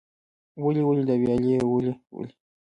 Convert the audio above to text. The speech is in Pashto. ولي ولې د ویالې ولې ولې؟